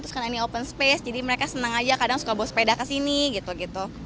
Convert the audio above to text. terus karena ini open space jadi mereka senang aja kadang suka bawa sepeda ke sini gitu gitu